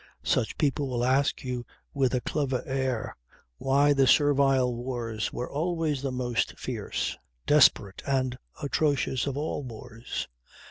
Such people will ask you with a clever air why the servile wars were always the most fierce, desperate and atrocious of all wars.